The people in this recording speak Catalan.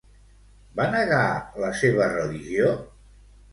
Va negar la seva religió?